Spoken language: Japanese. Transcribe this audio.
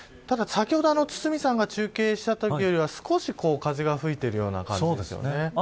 ただ先ほど堤さんが中継したときよりは少し風が吹いてるような感じですね。